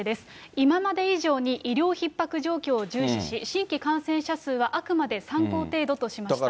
今まで以上に医療ひっ迫状況を重視し、新規感染者数はあくまで参考程度としました。